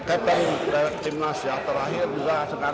ini pilihan yang menyalahkan